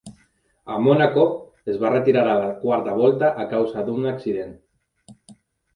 A Mònaco, es va retirar a la quarta volta a causa d'un accident.